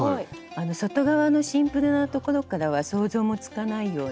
外側のシンプルなところからは想像もつかないような。